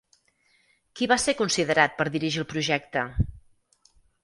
Qui va ser considerat per dirigir el projecte?